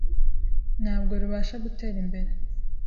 ntabwo rubasha gutera imbere